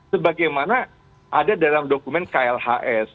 sebagaimana ada dalam dokumen klhs